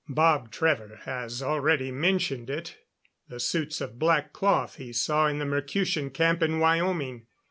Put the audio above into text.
Bob Trevor, has already mentioned it the suits of black cloth he saw in the Mercutian camp in Wyoming.